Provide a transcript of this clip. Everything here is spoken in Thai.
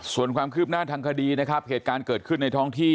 ส่วนความคืบหน้าทางคดีนะครับเหตุการณ์เกิดขึ้นในท้องที่